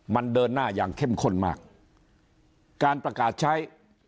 มันเดินหน้าอย่างเข้มข้นมากการประกาศใช้